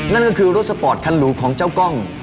นั่นก็คือรถสปอร์ตคันหรูของเจ้ากล้อง